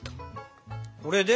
これで？